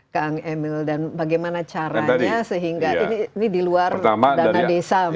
kang emil dan bagaimana caranya sehingga ini diluar dana desa misalnya atau